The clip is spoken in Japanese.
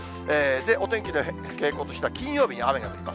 お天気の傾向としては、金曜日に雨が降ります。